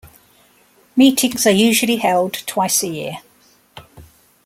Meetings are usually held twice a year.